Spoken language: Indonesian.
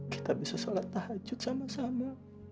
kita bisa sholat tahajud sama sama